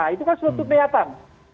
itu kan suatu niatan